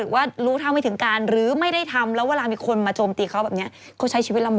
จริงแล้วไม่ได้เป็นอย่างงั้นเลยใช่ไหม